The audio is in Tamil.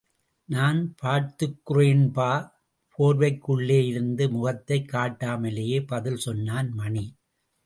நான் பார்த்துக்குறேன்பா... போர்வைக் குள்ளேயிருந்து முகத்தைக் காட்டாமலேயே பதில் சொன்னான் மணி.